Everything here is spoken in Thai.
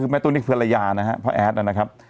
แม่ตุ๊กนี่เพื่อนรายานะฮะพระแอดนะครับ